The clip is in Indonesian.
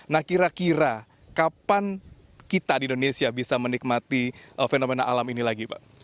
nah kira kira kapan kita di indonesia bisa menikmati fenomena alam ini lagi pak